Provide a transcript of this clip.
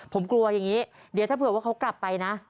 ผมกลัวอย่างนี้เดี๋ยวถ้าเผื่อว่าเขากลับไปนะ